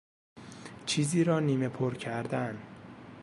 چیزی را نیمه پر کردن